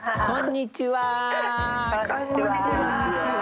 こんにちは！